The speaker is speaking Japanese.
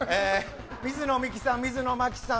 水野美紀さん、水野真紀さん